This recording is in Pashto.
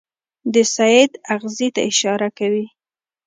د سید اغېزې ته اشاره کوي.